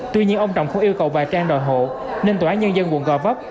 tuy nhiên ông trọng không yêu cầu bà trang đòi hộ nên tòa án nhân dân quận gò vấp